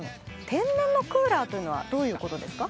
天然のクーラーというのはどういうことですか？